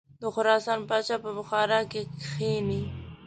د خراسان پاچا په بخارا کې کښیني.